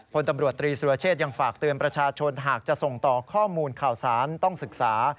พลตำรวจตรีสุรเชษยังฝากเตือนประชาชนหากจะส่งต่อข้อมูลข่าวสารต้องศึกษา